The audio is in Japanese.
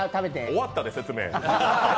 終わったで、説明。